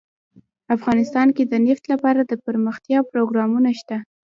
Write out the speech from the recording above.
افغانستان کې د نفت لپاره دپرمختیا پروګرامونه شته.